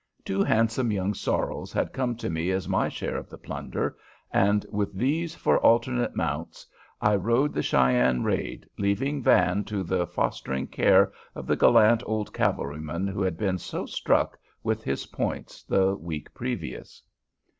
Two handsome young sorrels had come to me as my share of the plunder, and with these for alternate mounts I rode the Cheyenne raid, leaving Van to the fostering care of the gallant old cavalryman who had been so struck with his points the week previous.